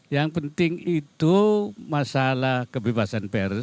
yang penting itu masalah kebebasan pers